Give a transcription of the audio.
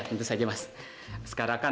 tentu saja mas